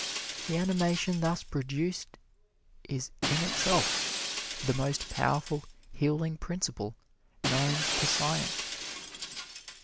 The animation thus produced is in itself the most powerful healing principle known to science.